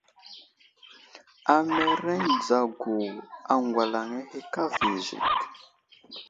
Amereŋ dzagu aŋgwalaŋ ahe kava i zik.